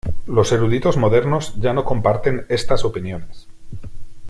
Los eruditos modernos ya no comparten estas opiniones.